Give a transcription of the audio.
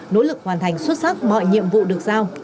nỗ lực hoàn thành xuất sắc mọi nhiệm vụ được giao